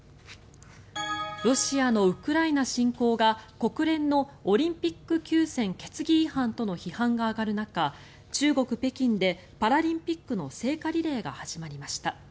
ロシアのウクライナ侵攻が国連のオリンピック休戦決議違反との批判が上がる中中国・北京でパラリンピックの聖火リレーが始まりました。